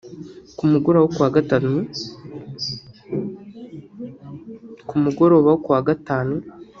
Ku mu mugoroba wo ku wa Gatanu